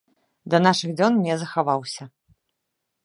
Да нашых дзён не захаваўся.